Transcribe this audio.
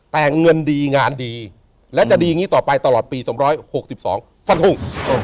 แต่เงินดีงานดีและจะดีอย่างนี้ต่อไปตลอดปี๒๖๒ฟันหุ่ง